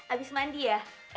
abis mandi ya